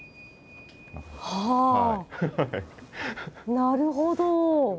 はなるほど。